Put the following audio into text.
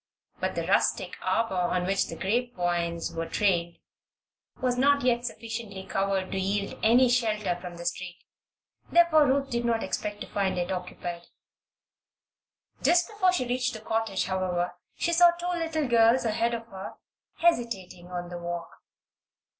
But the rustic arbor on which the grape vines were trained was not yet sufficiently covered to yield any shelter from the street; therefore Ruth did not expect to find it occupied. Just before she reached the cottage, however, she saw two little girls ahead of her, hesitating on the walk.